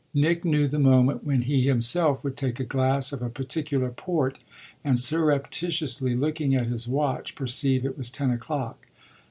Nick knew the moment when he himself would take a glass of a particular port and, surreptitiously looking at his watch, perceive it was ten o'clock.